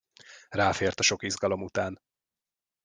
Ráfért a sok izgalom után.